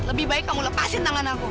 lebih baik kamu lepasin tangan aku